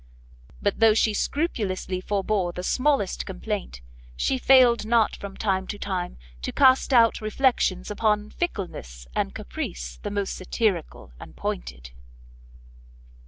But though she scrupulously forbore the smallest complaint, she failed not from time to time to cast out reflections upon fickleness and caprice the most satirical and pointed.